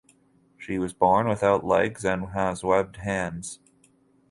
She was born without legs and has webbed hands.